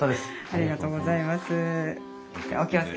ありがとうございます。